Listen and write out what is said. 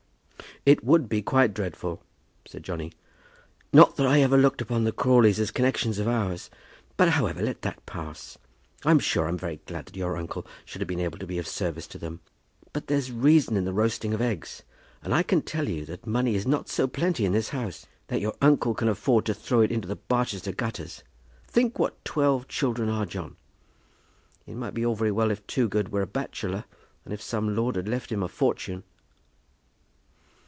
"It would be quite dreadful," said Johnny. "Not that I ever looked upon the Crawleys as connections of ours. But, however, let that pass. I'm sure I'm very glad that your uncle should have been able to be of service to them. But there's reason in the roasting of eggs, and I can tell you that money is not so plenty in this house, that your uncle can afford to throw it into the Barchester gutters. Think what twelve children are, John. It might be all very well if Toogood were a bachelor, and if some lord had left him a fortune."